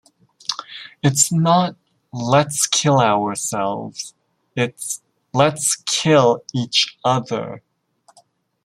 It's not 'Let's kill ourselves'; it's 'Let's kill each other'...